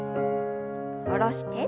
下ろして。